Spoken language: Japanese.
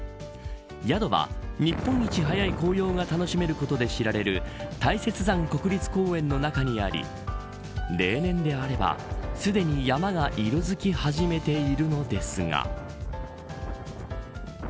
宿は、日本一早い紅葉が楽しめることで知られる大雪山国立公園の中にあり例年であれば、すでに山が色づき始めているのですが。